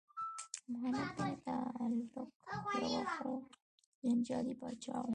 محمد بن تغلق پوه خو جنجالي پاچا و.